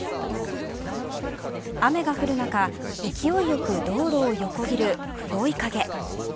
雨が降る中、勢いよく道路を横切る黒い影。